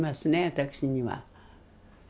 私には。